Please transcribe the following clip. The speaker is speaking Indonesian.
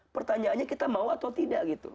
pertanyaannya kita mau atau tidak gitu